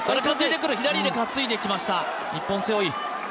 左で担いできました。